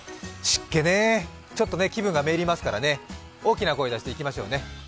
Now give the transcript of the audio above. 湿気ね、ちょっとね、気分が滅入りますからね大きな声出していきましょうね。